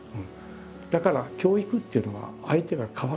だから教育っていうのは相手が「かわる」。